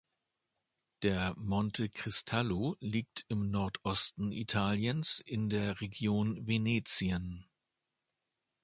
Der Monte Cristallo liegt im Nordosten Italiens in der Region Venetien.